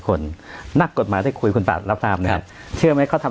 คนนักกฎมาได้คุยคุณปราบรับตามเนี้ยเชื่อไหมเขาทำ